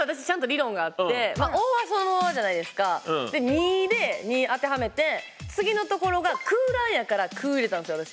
２で「に」当てはめて次のところが空欄やから「く」入れたんですよ私。